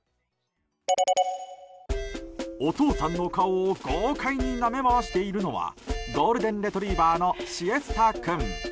お父さんの顔を豪快になめ回しているのはゴールデンレトリバーのシエスタ君。